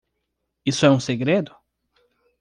Isso é um segredo?